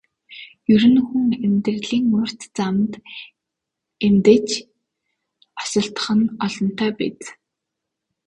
Ер нь хүн амьдралын урт замд эндэж осолдох нь олонтоо биз.